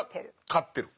勝ってる。